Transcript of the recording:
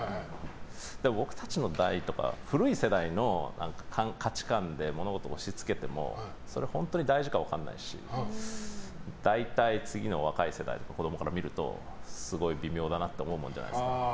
でも、僕たちの代とか古い世代の価値観で物事を押し付けても本当に大事か分からないし大体、次の若い世代とか子供から見るとすごい微妙だなって思うものじゃないですか。